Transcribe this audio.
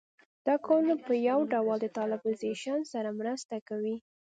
دا کارونه په یو ډول د طالبانیزېشن سره مرسته کوي